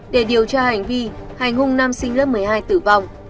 để điều tra hành vi hành hung nam sinh lớp một mươi hai tử vong